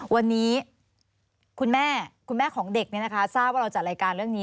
วันนี้คุณแม่คุณแม่ของเด็กทราบว่าเราจัดรายการเรื่องนี้